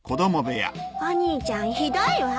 お兄ちゃんひどいわ。